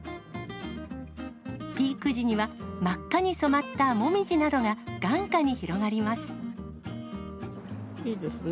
ピーク時には真っ赤に染まったもみじなどが、いいですね。